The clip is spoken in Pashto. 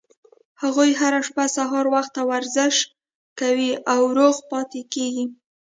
هغوي هره ورځ سهار وخته ورزش کوي او روغ پاتې کیږي